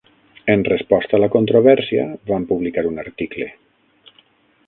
En resposta a la controvèrsia, van publicar un article.